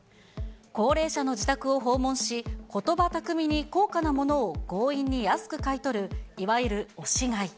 高齢者の自宅を訪問し、ことば巧みに高価なものを強引に安く買い取る、いわゆる押し買い。